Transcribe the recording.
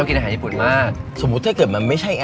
ว่าแบบร้านแบบอยู่ไหน